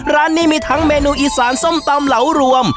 ร้านนี้มีทั้งเมนูอีสานส้มตำเหลารวม